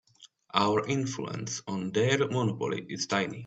Our influence on their monopoly is tiny.